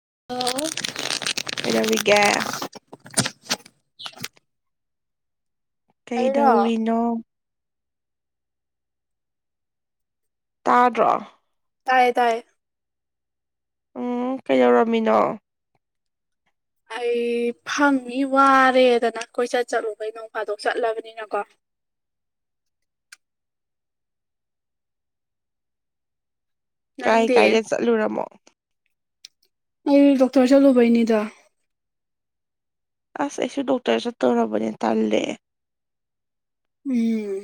ꯑꯣꯜꯂ ꯀꯩꯗꯧꯔꯤꯒꯦ ꯑꯩꯔꯣ ꯀꯩꯗꯧꯔꯤꯅꯣ ꯇꯥꯗ꯭ꯔꯣ ꯇꯥꯏꯌꯦ ꯇꯥꯏꯌꯦ ꯎꯝ ꯀꯩꯗꯧꯔꯝꯃꯤꯅꯣ ꯑꯩ ꯐꯪꯏ ꯋꯥꯔꯦꯗꯅ ꯀꯣꯏꯆꯠ ꯆꯠꯂꯨꯕꯩ ꯅꯣꯡ ꯐꯥꯗꯣꯛ ꯆꯠꯂꯕꯅꯤꯅ ꯀꯣ [inaudible] ꯀꯥꯏ ꯅꯪꯗꯤ ꯀꯥꯏꯗ ꯆꯠꯂꯨꯔꯃꯣ ꯑꯩ ꯗꯣꯛꯇꯔ ꯆꯠꯂꯨꯕꯩꯅꯤꯗ ꯑꯁ ꯑꯩꯁꯨ ꯗꯣꯛꯇꯔ ꯆꯠꯇꯧꯔꯕꯅꯦ ꯇꯜꯂꯦꯦ ꯎꯝ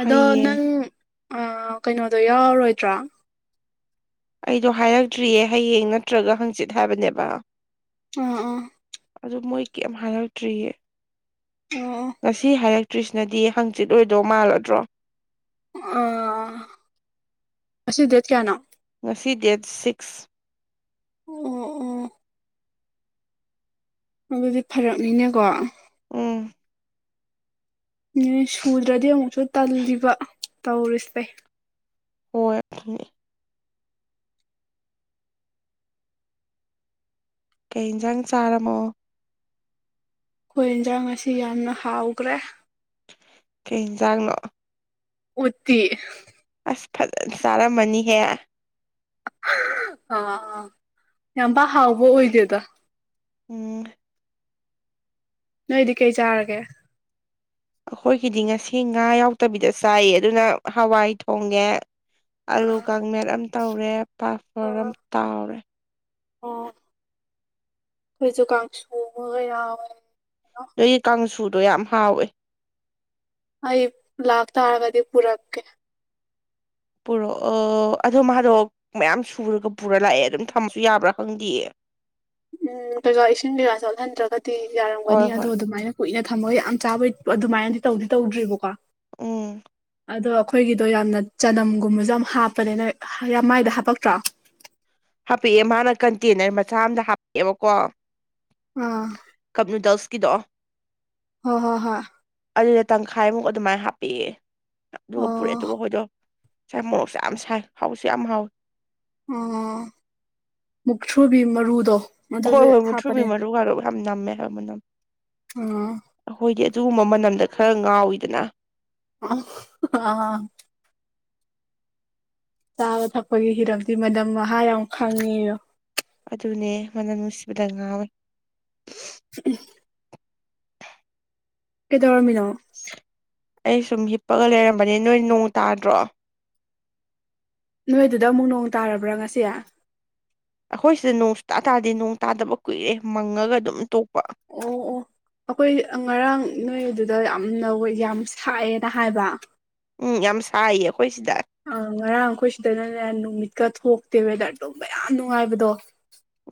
ꯑꯗꯣ ꯍꯌꯦꯡ ꯅꯪ ꯀꯩꯅꯣꯗꯣ ꯌꯥꯎꯔꯔꯣꯏꯗ꯭ꯔꯥ ꯑꯩꯗꯣ ꯍꯥꯏꯔꯛꯇ꯭ꯔꯤꯌꯦ ꯍꯌꯦꯡ ꯅꯠꯇ꯭ꯔꯒ ꯍꯪꯆꯤꯠ ꯍꯥꯏꯕꯅꯦꯕ ꯑꯥ ꯑꯥ ꯑꯗꯨ ꯃꯣꯏ ꯀꯔꯤ ꯍꯥꯏꯔꯛꯇ꯭ꯔꯤꯌꯦ ꯑꯣ ꯉꯁꯤ ꯍꯥꯏꯔꯛꯇ꯭ꯔꯤꯁꯅꯗꯤ ꯍꯪꯆꯤꯠ ꯑꯣꯏꯣꯏꯗꯣ ꯃꯥꯜꯂꯗ꯭ꯔꯣ ꯑ ꯑꯁꯤꯗ ꯀꯌꯥꯅꯣ ꯑꯁꯤ ꯗꯦꯠ ꯁꯤꯛꯁ ꯎꯝ ꯎꯝ ꯑꯗꯨꯗꯤ ꯐꯔꯛꯅꯤꯅꯦꯀꯣ ꯎꯝ ꯅ ꯁꯨꯗ꯭ꯔꯗꯤ ꯑꯃꯨꯛꯁꯨ ꯇꯜꯂꯤꯕ ꯇꯧꯔꯤꯁꯦ ꯍꯣꯏꯅꯤ ꯀꯩ ꯌꯦꯟꯁꯥꯡ ꯆꯥꯔꯝꯃꯣ ꯑꯩꯈꯣꯏ ꯌꯦꯟꯁꯥꯡ ꯑꯁꯤ ꯌꯥꯝꯅ ꯍꯥꯎꯈ꯭ꯔꯦ ꯀꯩ ꯑꯦꯟꯖꯥꯡ ꯅꯣ ꯎꯠꯇꯤ ꯑ ꯐꯖꯅ ꯆꯥꯔꯝꯃꯅꯤꯍꯦ ꯑꯥ ꯑꯥ ꯌꯥꯝꯕ ꯍꯥꯎꯕ ꯑꯣꯏꯗꯦꯗ ꯎꯝ ꯅꯣꯏꯗꯤ ꯀꯩ ꯆꯥꯔꯒꯦ ꯑꯩꯈꯣꯏꯒꯤꯗꯤ ꯉꯁꯤ ꯉꯥ ꯌꯥꯎꯗꯕꯤꯗ ꯆꯥꯏꯌꯦ ꯑꯗꯨꯅ ꯍꯋꯥꯏ ꯊꯣꯡꯉꯦ ꯑꯂꯨ ꯑꯣ ꯀꯥꯡꯃꯦꯠ ꯑꯃ ꯇꯧꯔꯦ ꯄꯥꯐꯔ ꯑꯃ ꯇꯥꯎꯔꯦ ꯑꯣ ꯑꯩꯈꯣꯏꯁꯨ ꯀꯥꯡ ꯁꯨꯕꯒ ꯌꯥ ꯑꯣꯏꯋꯦ ꯅꯒꯤ ꯀꯥꯡꯁꯨꯗꯣ ꯌꯥꯝ ꯍꯥꯎꯋꯦ ꯑꯩ ꯂꯥꯛꯇꯥ ꯍꯥꯏꯔꯕꯗꯤ ꯄꯔꯛ ꯀꯦ ꯄꯨꯔꯛ ꯑ ꯑꯗꯣ ꯃꯥꯗꯣ ꯃꯌꯥꯝ ꯁꯨꯔꯒ ꯄꯨꯔ ꯂꯥꯛꯑꯦ ꯑꯗꯨꯝ ꯊꯝꯕꯁꯨ ꯌꯥꯕ꯭ꯔꯥ ꯈꯪꯗꯦꯌꯦ ꯎꯝ ꯀꯩꯀꯥ ꯏꯁꯤꯡ ꯀꯩꯀꯥ ꯆꯠꯍꯟꯗ꯭ꯔꯒꯗꯤ ꯌꯥꯔꯝꯒꯅꯤ ꯍꯣꯏ ꯑꯗꯣ ꯍꯣꯏ ꯑꯗꯨꯃꯥꯏꯅ ꯀꯨꯏꯅ ꯊꯝꯃꯣꯏ ꯌꯥꯝ ꯆꯥꯕꯩ ꯑꯗꯨꯃꯥꯏꯅꯗꯤ ꯇꯧꯗꯤ ꯇꯧꯗ꯭ꯔꯤꯕꯕꯀꯣ ꯎꯝ ꯑꯗꯣ ꯑꯩꯈꯣꯏꯒꯤꯗꯣ ꯌꯥꯝꯅ ꯆꯅꯝꯒꯨꯝꯕꯁꯨ ꯌꯥꯝ ꯍꯥꯞꯄꯅꯦꯅ ꯌꯥꯝ ꯃꯥꯏꯗ ꯍꯥꯄꯛꯇ꯭ꯔꯣ ꯍꯥꯄꯛꯑꯦ ꯃꯥꯅ ꯀꯟꯇꯦꯅꯔ ꯃꯆꯥ ꯑꯃꯝꯗ ꯍꯥꯞꯄꯛꯑꯦꯕꯀꯣ ꯑꯥ ꯀꯗꯣ ꯍ ꯍꯣ ꯍ ꯑꯗꯨꯗ ꯇꯪꯈꯥꯏꯃꯨꯛ ꯑꯗꯨꯃꯥꯏꯅ ꯍꯥꯞꯄꯤꯑꯦ ꯑꯗꯨꯒ ꯄꯨꯔꯛꯑꯦ ꯑꯣ ꯑꯗꯨꯒ ꯍꯣꯏꯗꯣ ꯉꯥꯏ ꯃꯣꯔꯣꯛꯁꯨ ꯌꯥꯝ ꯁꯥꯏ ꯍꯥꯎꯁꯨ ꯌꯥꯝ ꯍꯥꯎꯋꯤ ꯑꯣ ꯃꯨꯛꯊ꯭ꯔꯨꯕꯤ ꯃꯔꯨꯗꯣ ꯍꯣꯏ ꯑꯗꯨꯁꯨ ꯍꯣꯏ ꯃꯨꯊ꯭ꯔꯨꯕꯤ ꯍꯥꯞꯄꯅꯦ ꯃꯔꯨ ꯃꯔꯔꯨ ꯌꯥꯝ ꯅꯝꯃꯦ ꯍꯥꯏ ꯅꯝꯃꯦ ꯑ ꯑꯗꯨꯒꯨꯝꯕ ꯃꯅꯝꯗ ꯈꯔ ꯉꯥꯎꯋꯤꯗꯅ ꯑ ꯑꯥ ꯆꯥꯕ ꯊꯛꯄꯒꯤ ꯍꯤꯔꯝꯗꯤ ꯃꯝ ꯃꯍꯥ ꯌꯥꯝ ꯈꯪꯉꯤꯕꯣ ꯑꯗꯨꯅꯦ ꯃꯅꯝ ꯅꯨꯡꯁꯤꯕꯗ ꯉꯥꯡꯋꯦ ꯎꯝ ꯀꯩꯗꯧꯔꯃꯤꯅ ꯑꯩ ꯁꯨꯝ ꯍꯤꯞꯄꯒ ꯂꯩꯔꯝꯕꯅꯦ ꯅꯣꯏ ꯅꯣꯡ ꯇꯥꯗ꯭ꯔꯣ ꯅꯣꯏꯗꯨꯗ ꯑꯃꯨꯛ ꯅꯣꯡ ꯇꯥꯔꯕ꯭ꯔꯥ ꯉꯁꯤ ꯑꯩꯈꯣꯏ ꯁꯤꯗ ꯅꯣꯡꯁꯨ ꯇꯥ ꯇꯥꯔꯗꯤ ꯅꯣꯡ ꯇꯥꯗꯕ ꯀꯨꯏꯔꯦ ꯃꯪꯉꯒ ꯑꯗꯨꯝ ꯇꯣꯛꯄ ꯑꯣ ꯑꯣ ꯑꯩꯈꯣꯏ ꯉꯔꯥꯡ ꯅꯣꯏ ꯑꯗꯨꯗ ꯌꯥꯝꯅ ꯌꯥꯝ ꯁꯥꯏꯑꯦꯅ ꯍꯥꯏꯕ ꯎꯝ ꯌꯥꯝ ꯁꯥꯏꯌꯦ ꯑꯩꯈꯣꯏ ꯁꯤꯗ ꯑ ꯉꯔꯥꯡ ꯑꯩꯈꯣꯏ ꯁꯤꯗꯅꯅꯦ ꯅꯨꯃꯤꯠꯀ ꯊꯣꯛꯇꯦ ꯋꯦꯗꯔꯗꯣꯕ ꯌꯥꯝ ꯅꯨꯡꯉꯥꯏꯕꯗꯣ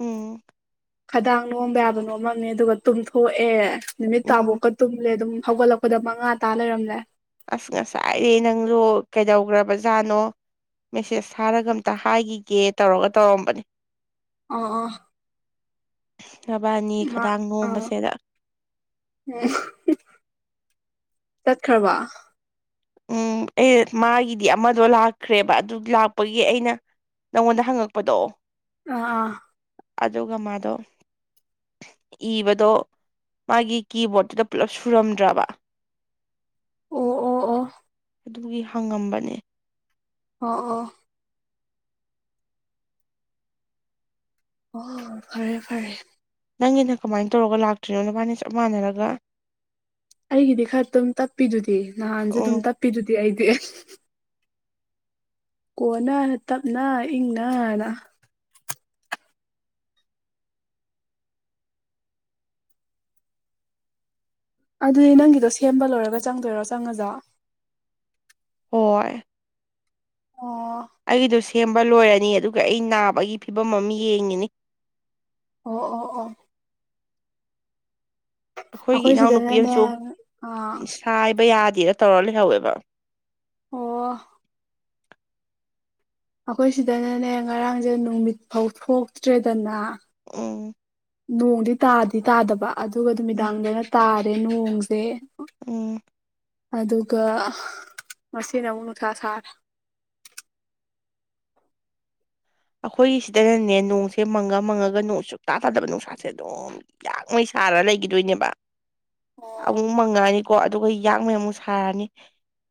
ꯎꯝ ꯈꯗꯥꯡ ꯅꯣꯝꯕ ꯌꯥꯕ ꯅꯣꯝꯃꯝꯃꯦ ꯑꯗꯨꯒ ꯇꯨꯝꯊꯣꯛꯑꯦ ꯅꯨꯃꯤꯠ ꯎꯝ ꯇꯥꯕꯣꯛꯀ ꯇꯨꯝꯂꯦ ꯑꯗꯨꯝ ꯍꯧꯒꯠꯂꯛꯄꯗ ꯃꯉꯥ ꯇꯥ ꯂꯩꯔꯝꯂꯦ ꯑꯁ ꯉꯁꯥꯏꯗꯤ ꯅꯪꯁꯨ ꯀꯩꯗꯧꯈ꯭ꯔꯕꯖꯥꯠꯅꯣ ꯃꯦꯁꯦꯁ ꯊꯔꯒ ꯑꯝꯇ ꯍꯥꯏꯈꯤꯒꯦ ꯇꯧꯔꯒ ꯇꯧꯔꯝꯕꯅꯤ ꯑ ꯑ ꯅꯕꯥꯅꯤ ꯃꯥ ꯈꯗꯥꯡ ꯑꯥꯝ ꯅꯣꯝꯕꯁꯦꯗ ꯇꯠꯈꯔ ꯋꯥ ꯎꯝ ꯑꯦ ꯃꯥꯒꯤꯗꯤ ꯑꯃꯗꯣ ꯂꯥꯛꯈ꯭ꯔꯦꯕ ꯑꯗꯨ ꯂꯥꯛꯄꯒꯤ ꯑꯩꯅ ꯅꯪꯉꯣꯟꯗ ꯍꯪꯉꯛꯄꯗꯣ ꯑ ꯑꯥ ꯑꯗꯨꯒ ꯃꯥꯗꯣ ꯏꯕꯗꯣ ꯃꯥꯒꯤ ꯀꯤꯕꯣꯔꯠꯇꯨꯗ ꯄꯨꯜꯂꯞ ꯁꯨꯔꯝꯗ꯭ꯔꯕ ꯑꯣ ꯑꯣ ꯑꯣ ꯑꯗꯨꯒꯤ ꯍꯪꯉꯝꯕꯅꯦ ꯑꯣ ꯑꯣ ꯑꯣ ꯐꯔꯦ ꯐꯔꯦ ꯅꯪꯒꯤꯅ ꯀꯃꯥꯏꯅ ꯇꯧꯔꯒ ꯂꯥꯛꯇ꯭ꯔꯤꯅꯣ ꯅꯕꯥꯅ ꯆꯞ ꯃꯥꯟꯅꯔꯒ ꯑꯩꯒꯤꯗꯤ ꯈꯔ ꯑꯗꯨꯝ ꯇꯞꯄꯤꯗꯨꯗꯤ ꯅꯍꯥꯟꯁꯨ ꯑꯗꯨꯝ ꯎꯝ ꯇꯞꯄꯤꯗꯨꯗꯤ ꯑꯩꯗꯤ ꯀꯣꯟꯅꯅ ꯇꯞꯅ ꯏꯪꯅꯅ ꯑꯗꯨꯗꯤ ꯅꯪꯒꯤꯗꯣ ꯁꯦꯝꯕ ꯂꯣꯏꯔꯒ ꯆꯪꯗꯣꯏꯔꯣ ꯆꯪꯉꯖ ꯍꯣꯏ ꯑꯣ ꯑꯩꯗꯣ ꯁꯦꯝꯕ ꯂꯣꯏꯔꯅꯤ ꯑꯗꯨꯒ ꯑꯩ ꯅꯥꯕꯒꯤ ꯐꯤꯕꯝ ꯑꯃ ꯌꯦꯡꯉꯤꯅꯤ ꯑꯣ ꯑꯣ ꯑꯣ ꯑꯩꯈꯣꯏꯒꯤ ꯑꯩꯈꯣꯏ ꯏꯅꯥꯎꯅꯨꯄꯤ ꯁꯤꯗꯅꯅꯦ ꯑꯃꯁꯨ ꯑꯥ ꯁꯥꯏꯕ ꯌꯥꯗꯦꯅ ꯇꯧꯔ ꯂꯩꯍꯧꯋꯦꯕ ꯑꯣ ꯑꯩꯈꯣꯏ ꯁꯤꯗꯅꯅꯦ ꯉꯔꯥꯡꯁꯦ ꯅꯨꯃꯤꯠ ꯐꯥꯎ ꯊꯣꯛꯇ꯭ꯔꯦꯗꯅ ꯎ ꯅꯣꯡꯗꯤ ꯇꯥꯗꯤ ꯇꯥꯗꯕ ꯑꯗꯨꯒ ꯅꯨꯃꯤꯗꯥꯡꯗꯅ ꯇꯥꯔꯦ ꯅꯣꯡꯁꯦ ꯎꯝ ꯑꯗꯨꯒ ꯉꯁꯤꯅ ꯑꯃꯨꯛ ꯅꯨꯡꯁꯥ ꯁꯥꯔꯦ ꯑꯩꯈꯣꯏꯒꯤ ꯁꯤꯗꯅꯅꯦ ꯅꯣꯡꯁꯦ ꯃꯪꯉ ꯃꯪꯉꯒ ꯅꯣꯡ ꯆꯨꯞꯇꯥꯥ ꯇꯥꯗꯕ ꯅꯨꯡꯁꯥꯁꯦ ꯑꯗꯨꯝ ꯌꯥꯛꯉꯩ ꯊꯥꯔ ꯂꯩꯈꯤꯗꯣꯏꯅꯦꯕ ꯑꯃꯨꯛ ꯃꯉꯥꯅꯤ ꯀꯣ ꯑꯗꯨꯒ ꯌꯥꯛꯉꯩ ꯑꯃꯨꯛ ꯁꯥꯔꯅꯤ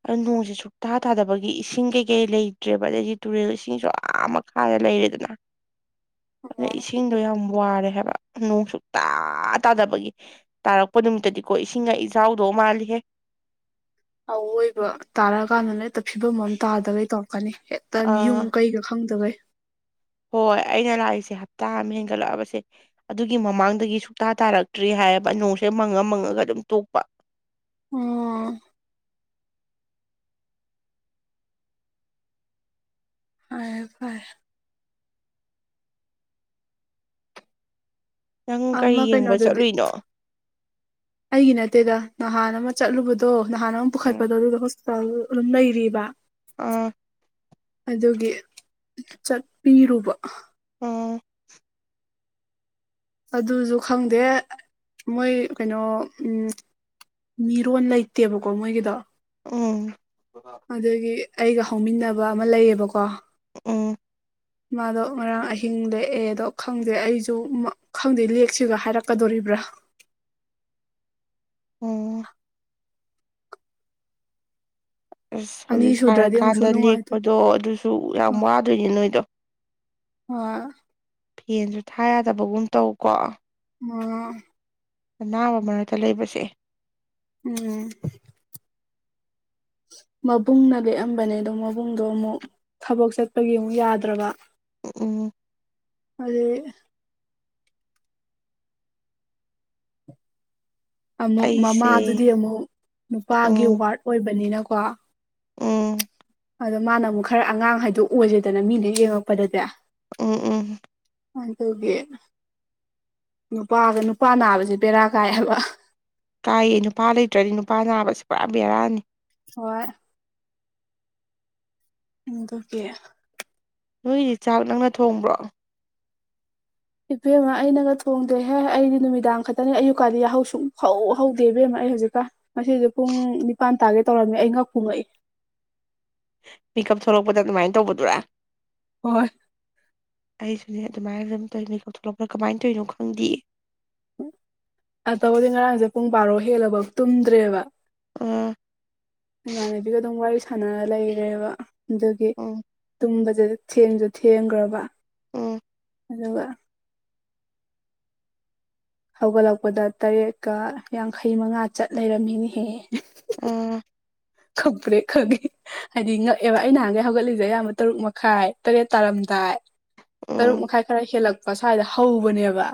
ꯑ ꯅꯣꯡꯁꯦ ꯁꯨꯛꯇꯥ ꯊꯥꯗꯕꯒꯤ ꯏꯁꯤꯡ ꯀꯩꯀꯩ ꯂꯩꯇ꯭ꯔꯦꯕ ꯑꯗꯩꯗꯤ ꯇꯨꯔꯦꯜ ꯏꯁꯤꯡꯁꯨ ꯌꯥꯝ ꯈꯥꯔ ꯂꯩꯔꯦꯗꯅ ꯑꯗꯨꯗ ꯏꯁꯤꯡꯗꯣ ꯌꯥꯝ ꯋꯥꯔꯦ ꯍꯥꯏꯕ ꯅꯣꯡ ꯁ ꯇꯥ ꯇꯥꯗꯕꯒꯤ ꯇꯥꯔꯛꯄ ꯅꯨꯃꯤꯠꯇꯗꯤꯀꯣ ꯏꯁꯤꯡꯒ ꯏꯆꯥꯎꯗꯣ ꯃꯥꯜ ꯍꯦ ꯑꯋꯣꯏꯕ ꯇꯥꯔꯛꯑꯀꯥꯟꯗꯅ ꯍꯦꯛꯇ ꯐꯤꯕꯝ ꯑꯃ ꯇꯥꯗꯒꯩ ꯇꯧꯔ ꯀꯅꯤ ꯍꯦꯛꯇ ꯌꯨꯝ ꯀꯩꯒ ꯈꯪꯗꯕꯩ ꯍꯣꯏ ꯍꯣꯏ ꯑꯩꯅ ꯂꯥꯛꯏꯁꯦ ꯍꯞꯇꯥ ꯑꯃ ꯍꯦꯟꯒꯠꯂꯛꯑꯕꯁꯦ ꯑꯗꯨꯒꯤ ꯃꯃꯥꯡꯗꯒꯤ ꯁꯨꯇꯥꯥ ꯇꯥꯔꯛꯇ꯭ꯔꯤ ꯍꯥꯏ ꯍꯥꯏꯌꯦꯕ ꯅꯣꯡꯁꯦ ꯃꯪꯉ ꯃꯪꯉꯒ ꯑꯗꯨꯝ ꯇꯣꯛꯄ ꯎꯝ ꯍ ꯐꯔ ꯅꯪ ꯀꯔꯤ ꯑꯃ ꯌꯦꯡꯕ ꯀꯩꯅꯣꯗꯗꯤ ꯆꯠꯂꯨꯏꯅꯣ ꯑꯩꯒꯤ ꯅꯠꯇꯦꯗ ꯅꯍꯥꯟ ꯑꯃ ꯆꯠꯂꯨꯕꯗꯣ ꯅꯍꯥꯟ ꯑꯃ ꯎꯝ ꯄꯨꯈꯠꯄꯗꯣ ꯑꯗꯨꯗ ꯍꯣꯁꯄꯤꯇꯥꯜ ꯑꯗꯨꯝ ꯂꯩꯔꯤꯕ ꯑꯥ ꯑꯗꯨꯒꯤ ꯆꯠꯄꯤꯔꯨꯕ ꯑ ꯑꯗꯨꯁꯨ ꯈꯪꯗꯦ ꯃꯣꯏ ꯀꯩꯅꯣ ꯃꯤꯔꯣꯟ ꯂꯩꯇꯦꯕꯀꯣ ꯃꯣꯏꯒꯤꯗ ꯎꯝ ꯑꯗꯨꯒꯤ ꯑꯩꯒ ꯍꯧꯃꯤꯟꯅꯕ ꯑꯃ ꯂꯩꯌꯦꯕꯀꯣ ꯎꯝ ꯃꯥꯗꯣ ꯉꯔꯥꯡ ꯑꯍꯤꯡ ꯂꯦꯛꯑꯦ ꯑꯗꯣ ꯈꯪꯗꯦ ꯑꯩꯁꯨ ꯈꯪꯗꯦ ꯂꯦꯛꯁꯤꯒ ꯍꯥꯏꯔꯛꯀꯗꯣꯔꯤꯕ ꯕ꯭ꯔ ꯎꯝ ꯑꯁ ꯑꯅꯤ ꯍꯧꯖꯤꯛ ꯁꯨꯗ꯭ꯔꯗꯤ ꯑꯃꯨꯛꯁꯨ ꯁꯥꯔꯀꯥꯟꯗ ꯅꯨꯡꯉꯥꯏꯇꯦ ꯂꯦꯛꯄꯗꯣ ꯑꯗꯨꯁꯨ ꯌꯥꯝ ꯋꯥꯗꯣꯏꯅꯦ ꯅꯣꯏꯗꯣ ꯑ ꯐꯦꯟꯁꯨ ꯊꯥ ꯌꯥꯗꯕꯒꯨꯝ ꯇꯧꯀꯣ ꯑꯣ ꯑꯅꯥꯕ ꯃꯔꯛꯇ ꯂꯩꯕꯁꯦ ꯎꯝ ꯃꯕꯨꯡꯅ ꯂꯦꯛꯑꯝꯕꯅꯦ ꯑꯗꯣ ꯃꯕꯨꯡꯗꯣ ꯑꯃꯨꯛ ꯊꯕꯛ ꯆꯠꯄꯒꯤ ꯑꯃꯨꯛ ꯌꯥꯗ꯭ꯔꯕ ꯎꯝ ꯑꯗꯨ ꯑꯃꯨꯛ ꯑꯩꯁꯦ ꯃꯃꯥꯗꯨꯗꯤ ꯑꯃꯨꯛ ꯅꯨꯄꯥꯒꯤ ꯎꯝ ꯋꯥꯔꯗ ꯑꯣꯏꯕꯅꯤꯅꯀꯣ ꯎꯝ ꯑꯗꯣ ꯃꯥꯅ ꯑꯃꯨꯛ ꯈꯔ ꯑꯉꯥꯡ ꯍꯥꯏꯗꯣ ꯑꯣꯏꯁꯦꯗꯅ ꯃꯤꯅ ꯌꯦꯡꯉꯛꯄꯗꯗꯤ ꯎꯝ ꯎꯝ ꯀꯨꯃꯥꯏꯅ ꯇꯧꯒꯦ ꯅꯨꯄꯥꯒ ꯅꯨꯄꯥ ꯅꯥꯕꯁꯦ ꯕꯦꯔꯥ ꯀꯥꯏꯑꯕ ꯀꯥꯏꯌꯦ ꯅꯨꯄꯥ ꯂꯩꯇ꯭ꯔꯗꯤ ꯅꯨꯄꯥ ꯅꯥꯕꯁꯤ ꯄꯨꯔꯥ ꯕꯦꯔꯥꯅꯤ ꯍꯔ ꯏꯀꯀꯦ ꯅꯣꯏꯒꯤꯁꯤ ꯆꯥꯛ ꯅꯪꯅ ꯊꯣꯡꯕ꯭ꯔꯣ ꯏꯕꯦꯝꯃ ꯑꯩꯅꯒ ꯊꯣꯡꯗ꯭ꯔꯦꯍꯦ ꯑꯩꯗꯤ ꯅꯨꯃꯤꯗꯥꯡ ꯈꯛꯇꯅꯤ ꯑꯌꯨꯛꯀꯥꯟꯗꯤ ꯁꯨꯡ ꯍꯧ ꯍꯧꯗꯦ ꯏꯕꯦꯝꯃ ꯑꯩ ꯍꯧꯖꯤꯛꯀ ꯉꯁꯤꯁꯦ ꯄꯨꯡ ꯅꯤꯄꯥꯥꯟ ꯇꯥꯒꯦ ꯇꯧꯔꯝꯃꯤ ꯑꯩ ꯉꯥꯛ ꯐꯣꯡꯉꯣꯛꯏ ꯄꯤꯛ ꯎꯞ ꯊꯣꯛꯂꯛꯄꯗ ꯑꯗꯨꯃꯥꯏꯅ ꯇꯧꯕꯗꯨꯔꯥ ꯍꯣꯏꯣꯏ ꯑꯩꯁꯨꯅꯦ ꯑꯗꯨꯃꯥꯏꯅ ꯑꯗꯨꯝ ꯇꯧꯔꯤꯅꯤ ꯈ ꯊꯣꯛꯂꯛꯄ꯭ꯔꯥ ꯀꯃꯥꯏꯅ ꯇꯧꯔꯤꯅꯣ ꯈꯪꯗꯦ ꯑꯕꯨꯗꯤ ꯉꯔꯥꯡꯁꯦ ꯄꯨꯡ ꯕꯥꯔꯣ ꯍꯦꯜꯂꯕ ꯇꯨꯝꯗ꯭ꯔꯦꯕ ꯑ ꯏꯃꯥꯟꯅꯕꯤꯒ ꯑꯗꯨꯝ ꯋꯥꯔꯤ ꯁꯥꯟꯅꯔ ꯂꯩꯔꯦꯕ ꯑꯗꯒꯤ ꯎꯝ ꯇꯕ ꯊꯦꯡꯁꯨ ꯊꯦꯡꯈ꯭ꯔꯕ ꯎꯝ ꯑꯗꯨꯒ ꯍꯧꯒꯠꯂꯛꯄꯗ ꯇꯔꯦꯠꯀ ꯌꯥꯡꯈꯩ ꯃꯉꯥ ꯆꯠ ꯂꯩꯔꯝꯃꯤꯅꯤꯍꯦꯍꯦ ꯑ ꯀꯪꯄ꯭ꯔꯦ ꯈꯪꯉꯦ ꯍꯥꯏꯗꯤ ꯉꯛꯑꯦꯕ ꯑꯩ ꯅꯍꯥꯟꯒꯩ ꯍꯧꯒꯠꯂꯤꯁꯦ ꯑꯌꯥꯝꯕ ꯇꯔꯨꯛ ꯃꯈꯥꯏ ꯇꯔꯦꯠ ꯇꯥꯔꯝꯦ ꯑꯗꯨꯏ ꯇꯔꯨꯛ ꯎꯝ ꯃꯈꯥꯏ ꯈꯔ ꯍꯦꯜꯂꯛꯄ ꯁ꯭ꯋꯥꯏꯗ ꯍꯧꯕꯅꯦꯕ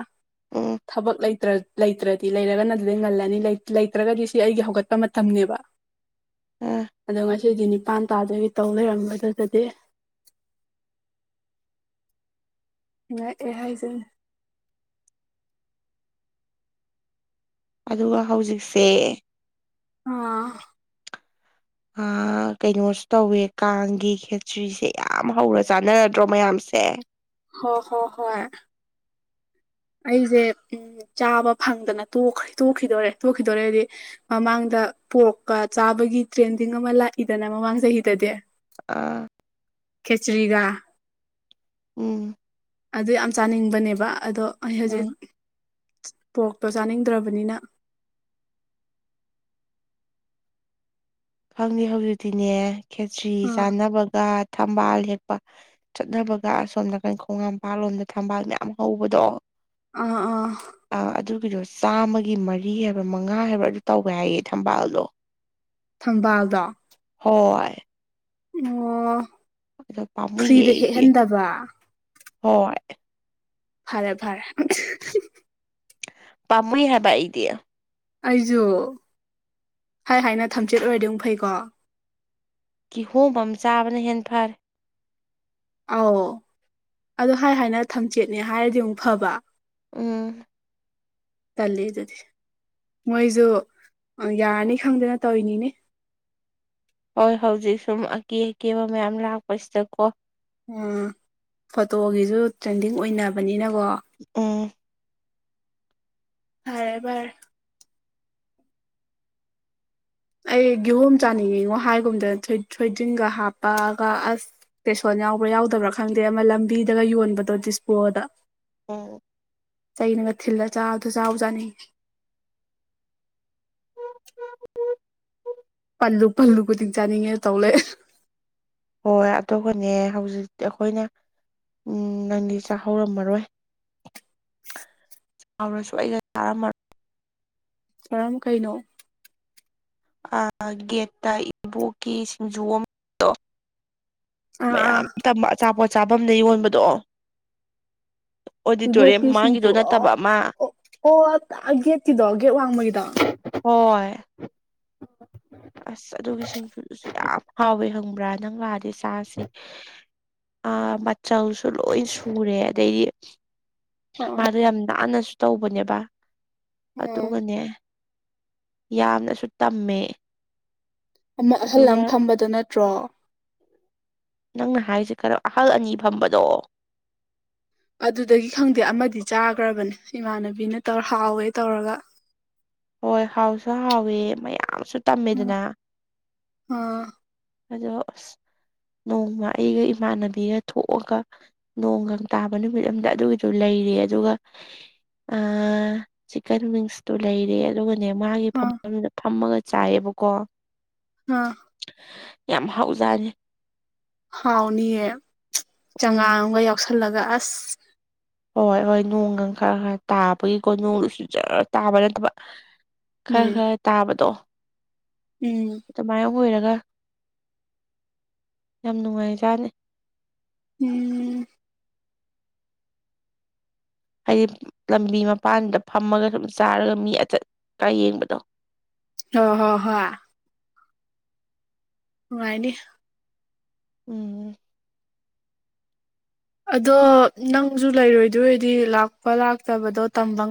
ꯎꯝ ꯊꯕꯛꯇ꯭ꯔ ꯂꯩꯇ꯭ꯔꯗꯤ ꯂꯩꯔꯒꯅ ꯑꯗꯨꯗꯩ ꯉꯜꯂꯅꯤ ꯂꯩꯇ꯭ꯔꯒꯗꯤ ꯁꯤ ꯑꯩꯒꯤ ꯍꯧꯒꯠꯄ ꯃꯇꯝꯅꯤꯅꯦꯕ ꯑ ꯑꯣꯉ ꯀꯦꯒꯤ ꯅꯤꯄꯥꯥꯟ ꯇꯥꯗꯒꯤ ꯇꯧ ꯂꯩꯔꯝꯕꯗꯨꯗꯤ ꯑꯦꯍ ꯆ ꯑꯗꯨꯒ ꯍꯧꯖꯤꯛꯁꯦ ꯑꯥ ꯑ ꯀꯩꯅꯣꯁꯨ ꯇꯧꯋꯦ ꯀꯥꯡꯒꯤ ꯈꯦꯆ꯭ꯔꯤꯁꯦ ꯌꯥꯝ ꯍꯧꯔ ꯆꯥꯟꯅꯔꯗ꯭ꯔꯣ ꯃꯌꯥꯝꯁꯦ ꯍ ꯍꯣ ꯍꯣꯏ ꯑꯩꯁꯦ ꯎ ꯆꯥꯕ ꯐꯪꯗꯅ ꯇꯣꯛꯈꯤꯗꯣꯔꯦ ꯇꯣꯛꯈꯤꯗꯣꯔꯦꯗꯤ ꯃꯃꯥꯡꯗ ꯄꯣꯔꯣꯛꯀ ꯆꯥꯕꯒꯤ ꯇ꯭ꯔꯦꯟꯗꯤꯡ ꯑꯃ ꯂꯥꯛꯏꯗꯅ ꯃꯃꯥꯡ ꯆꯍꯤꯗꯗꯤ ꯑꯥ ꯈꯦꯆꯔꯤꯒ ꯎꯝ ꯑꯗꯨ ꯌꯥꯝ ꯆꯥꯅꯤꯡꯕꯅꯦꯕ ꯑꯗꯣ ꯑꯩ ꯑꯥ ꯍꯧꯖꯤꯛ ꯄꯣꯛꯇꯣ ꯆꯥꯅꯤꯡꯗ꯭ꯔꯕꯅꯤꯅ ꯈꯪꯗꯦ ꯍꯧꯖꯤꯛꯇꯤꯅꯦ ꯈꯦꯇ꯭ꯔꯤ ꯑꯥ ꯆꯥꯟꯅꯕꯒ ꯊꯝꯕꯥꯜ ꯍꯦꯛꯄ ꯆꯠꯅꯕꯒ ꯑꯁꯣꯝ ꯅꯥꯀꯩꯅꯣ ꯈꯣꯡꯝꯄꯥꯜ ꯂꯣꯝꯗ ꯊꯝꯕꯥꯜ ꯃꯌꯥꯝ ꯍꯧꯕꯗꯣ ꯑꯥ ꯑꯥ ꯑꯗꯨꯗꯣ ꯆꯥꯝꯃꯒꯤ ꯃꯔꯤ ꯍꯥꯏꯕ꯭ꯔ ꯃꯉꯥ ꯍꯥꯏꯕ꯭ꯔ ꯑꯗꯨ ꯇꯧꯕ ꯌꯥꯏꯌꯦ ꯊꯝꯕꯥꯜꯗꯣ ꯊꯝꯕꯥꯜꯗꯣ ꯍꯣꯏ ꯑꯣ ꯑꯗꯣ ꯐ꯭ꯔꯤꯗ ꯍꯦꯛꯍꯟꯗꯕ ꯍ ꯐꯔꯦ ꯐꯔꯦ ꯄꯝꯏꯍꯦꯕ ꯏꯗꯦ ꯑꯩꯁꯨ ꯍꯥꯏ ꯍꯥꯏꯅ ꯊꯝꯆꯦꯠ ꯑꯣꯏꯔꯗꯤꯧ ꯐꯩꯀꯣ ꯀꯤꯍꯣꯝ ꯑꯃ ꯆꯥꯕꯅ ꯍꯦ ꯐꯔꯦ ꯑꯧ ꯑꯗꯨ ꯍꯥꯏ ꯍꯥꯏꯅ ꯊꯝꯆꯦꯠꯅꯦ ꯍꯥꯏꯔꯗꯤ ꯑꯃꯨꯛ ꯐꯕ ꯎꯝ ꯇꯂꯦ ꯑꯗꯨꯗꯤ ꯃꯣꯏꯁꯨ ꯌꯥꯔꯅꯤ ꯈꯪꯗꯅ ꯇꯧꯔꯤꯅꯤꯅꯦ ꯍꯣꯏ ꯍꯧꯖꯤꯛ ꯁꯨꯝ ꯑꯀꯦ ꯑꯀꯦꯕ ꯃꯌꯥꯝ ꯂꯥꯛꯄꯁꯤꯗꯀꯣ ꯎ ꯐꯣꯇꯣꯒꯤꯁꯨ ꯇ꯭ꯔꯦꯟꯗꯤꯡ ꯑꯣꯏꯅꯕꯅꯤꯅ ꯑꯦ ꯐꯔꯦꯕꯔ ꯑꯩ ꯤꯍꯣꯝ ꯆꯥꯅꯤꯡꯉꯤꯉꯣ ꯍꯥꯏꯒꯨꯝꯗ ꯊꯣꯏꯗꯟꯒ ꯍꯥꯞꯄꯒ ꯑꯁ ꯏꯁꯇꯦꯁꯣꯟ ꯌꯥꯎꯕ꯭ꯔꯥ ꯌꯥꯎꯗꯕ꯭ꯔꯥ ꯈꯪꯗꯦ ꯑꯃ ꯂꯝꯕꯤꯗꯒ ꯌꯣꯟꯕꯗꯣ ꯗꯤꯁꯄꯣꯗ ꯎꯝ ꯆꯩꯅꯕ ꯊꯤꯜꯂ ꯆꯥꯕꯗ ꯆ ꯆꯥꯅꯩ ꯑꯣꯝ ꯑꯣ ꯑꯣ ꯄꯜꯂꯨ ꯄꯜꯂꯨ ꯈꯨꯗꯤꯡ ꯆꯥꯅꯤꯡꯉꯦ ꯇꯧꯂꯛꯦ ꯍꯣꯏ ꯑꯗꯨꯒꯅꯦ ꯍꯧꯖꯤꯛꯇꯤ ꯑꯩꯈꯣꯏꯅ ꯎꯝ ꯅꯪꯗꯤ ꯆꯥꯛꯍꯧꯔꯝꯃꯔꯣꯏ ꯆꯥꯎꯔꯁꯨ ꯑꯩꯒ ꯆꯥꯔꯝꯃꯔꯣꯏ ꯀꯔꯝ ꯀꯩꯅꯣ ꯑ ꯒꯦꯠꯇ ꯏꯕꯣꯛꯀꯤ ꯁꯤꯡꯖꯨ ꯑꯃꯗꯣ ꯑꯥ ꯑꯥ ꯃꯌꯥꯝ ꯇꯝꯕ ꯑꯆꯥꯄꯣꯠꯆꯥꯥꯐꯝ ꯑꯅ ꯌꯣꯟꯕꯗꯣ ꯑꯣꯗꯤꯇꯣꯔꯤꯌꯝ ꯏꯕꯣꯛꯀꯤ ꯃꯃꯥꯡꯒꯤꯗꯣ ꯁꯤꯡꯖꯨ ꯑꯣ ꯅꯠꯇꯕ ꯑꯃ ꯑꯣ ꯦꯠꯗꯣꯒꯦꯠ ꯋꯥꯡꯃꯩꯗ ꯍꯣꯏ ꯑꯁ ꯑꯗꯨꯒꯤ ꯁꯤꯡꯖꯨꯗꯨꯁꯨ ꯌꯥꯝ ꯍꯥꯎꯋꯦ ꯍꯪꯕ꯭ꯔꯥ ꯅꯪ ꯂꯥꯛꯑꯗꯤꯦ ꯆꯥꯁꯦ ꯑ ꯃꯆꯜꯁꯨ ꯂꯣꯏ ꯁꯨꯔꯦ ꯑꯗꯩꯗꯤ ꯑꯣ ꯃꯥꯗꯣ ꯌꯥꯝ ꯅꯥꯟꯅꯁꯨ ꯇꯧꯕꯅꯦꯕ ꯑꯣ ꯑꯗꯨꯒꯅꯦ ꯌꯥꯝꯅꯁꯨ ꯇꯝꯃꯦ ꯑꯃꯛ ꯑꯍꯜ ꯑꯗꯨꯒ ꯂꯪ ꯐꯝꯕꯗꯣ ꯅꯠꯇ꯭ꯔꯣ ꯅꯪꯅ ꯍꯥꯏꯔꯤꯁꯦ ꯀꯩꯅꯣ ꯑꯍꯜ ꯑꯅꯤ ꯐꯝꯕꯗꯣ ꯑꯗꯨꯗꯒꯤ ꯈꯪꯗꯦ ꯑꯃꯗꯤ ꯆꯥꯈ꯭ꯔꯕꯅꯦ ꯏꯃꯥꯟꯅꯕꯤꯅ ꯇꯧꯔ ꯍꯥꯎꯋꯦ ꯇꯧꯔꯒ [unintelligible] ꯍꯣꯏ ꯍꯥꯎꯁꯨ ꯍꯥꯎꯋ ꯃꯌꯥꯝꯁꯨ ꯎꯝ ꯇꯝꯃꯤꯗꯅ ꯑꯥ ꯑꯗꯨꯗ ꯅꯣꯡꯃ ꯑꯩꯒ ꯏꯃꯥꯟꯅꯕꯤꯒ ꯊꯣꯛꯑꯒ ꯅꯣꯡꯒ ꯇꯥꯕ ꯅꯨꯃꯤꯠ ꯑꯝꯗ ꯑꯗꯨꯒꯤꯗꯨ ꯂꯩ ꯑꯗꯨꯒ ꯆꯤꯀꯟꯋꯤꯡꯁꯇꯣ ꯂꯩꯔꯦ ꯑꯗꯨꯒ ꯅꯦ ꯃꯥꯒꯤ ꯑꯥ ꯐꯝꯐꯝꯗꯨꯗ ꯐꯝꯃꯒ ꯆꯥꯏꯌꯦꯕꯀꯣ ꯑꯥ ꯌꯥꯝ ꯍꯥꯎꯖꯥꯅꯤꯦ ꯍꯥꯎꯅꯤꯌꯦ ꯎꯝ ꯆꯉꯥꯡꯒ ꯌꯥꯎꯁꯜꯂꯒ ꯑꯁ ꯍꯣꯏ ꯍꯣꯏ ꯅꯣꯡꯒ ꯈꯔ ꯈꯔ ꯇꯥꯕꯒꯤꯀꯣ ꯅꯣꯡꯗꯨꯨꯁꯨꯖ ꯇꯥꯕ ꯅꯠꯇꯕ ꯈꯔ ꯎꯝ ꯈꯔ ꯇꯥꯕꯗꯣ ꯎꯝ ꯂꯣꯏꯔꯒ ꯌꯥꯝ ꯅꯨꯡꯉꯥꯏꯖꯥꯠꯅꯤ ꯎꯝ ꯍꯥꯏꯗꯤ ꯂꯝꯕꯤ ꯃꯄꯥꯟꯗ ꯐꯝꯃꯒ ꯑꯗꯨꯝ ꯆꯥꯔꯒ ꯃꯤꯆꯠ ꯀꯥꯏ ꯌꯦꯡꯕꯗꯣ ꯍ ꯍꯣ ꯍ ꯅꯨꯡꯉꯥꯏꯅꯦ ꯎꯝ ꯑꯗꯣ ꯅꯪꯁꯨ ꯂꯩꯔꯣꯏꯗꯣꯏꯔꯗꯤ ꯂꯥꯛꯄ ꯂꯥꯛꯇꯕꯗꯣ ꯇꯝꯕ